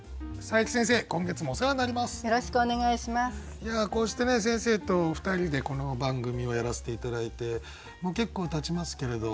いやこうして先生と２人でこの番組をやらせて頂いてもう結構たちますけれどどうですか？